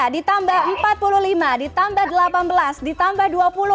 ditambah empat puluh lima ditambah delapan belas ditambah dua puluh